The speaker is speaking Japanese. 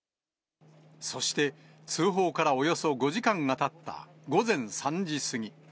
そして、通報からおよそ５時間がたった午前３時過ぎ。